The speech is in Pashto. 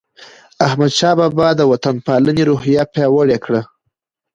احمدشاه بابا د وطن پالنې روحیه پیاوړې کړه.